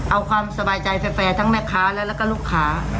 เอาความสบายใจแฟร์ทั้งแม่ค้าและแล้วก็ลูกค้า